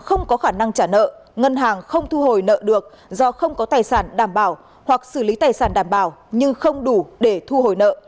không có khả năng trả nợ ngân hàng không thu hồi nợ được do không có tài sản đảm bảo hoặc xử lý tài sản đảm bảo nhưng không đủ để thu hồi nợ